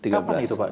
kapan itu pak